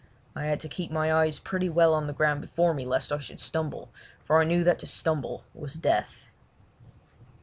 I had to keep my eyes pretty well on the ground before me, lest I should stumble, for I knew that to stumble was death.